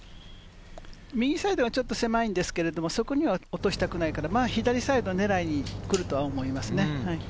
右サイドはちょっと狭いんですけれど、ここには落としたくないから、左サイド狙いでくると思います。